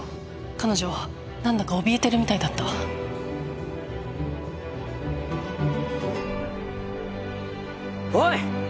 彼女何だかおびえてるみたいだったおい！